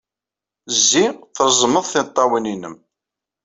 Zzi, treẓmed tiṭṭawin-nnem.